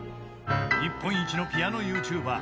［日本一のピアノＹｏｕＴｕｂｅｒ。